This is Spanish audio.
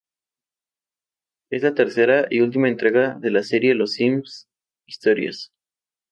Es la tercera y última entrega de la serie "Los Sims historias".